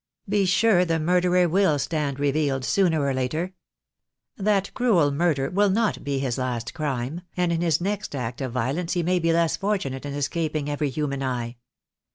Be sure the murderer will stand revealed sooner or later. That cruel murder mil not be his last crime, and in his next act of violence he may be less fortunate in escaping every human eye.